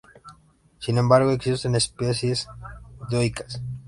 Sin embargo existen especies dioicas.